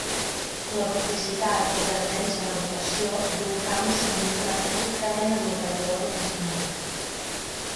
La vorticitat, o tendència a la rotació, d'un camp s'indica matemàticament amb l'operador rotacional.